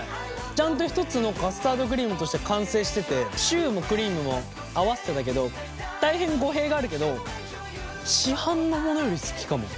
ちゃんと一つのカスタードクリームとして完成しててシューもクリームも合わせてたけど大変語弊があるけど市販のものより好きかも。